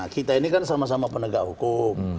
kita ini kan sama sama penegak hukum